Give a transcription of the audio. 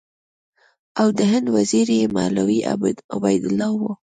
او د هند وزیر یې مولوي عبیدالله و.